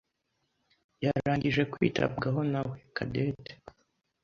yarangije kwitabwaho nawe Cadette.